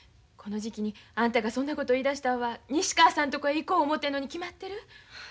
この時期にあんたがそんなこと言いだしたんは西川さんとこへ行こう思てんのに決まってる。